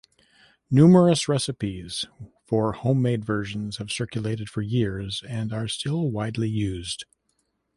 Numerous recipes for homemade versions have circulated for years and are still widely used.